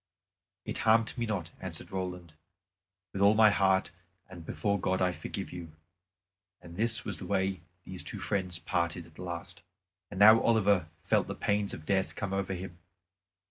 "It harmed me not," answered Roland; "with all my heart and before God I forgive you." And this was the way these two friends parted at the last. And now Oliver felt the pains of death come over him.